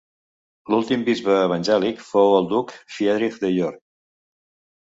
L'últim bisbe evangèlic fou el duc Friedrich de York.